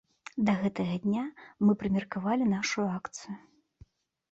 Да гэтага дня мы прымеркавалі нашу акцыю.